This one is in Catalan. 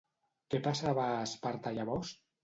Què passava a Esparta llavors?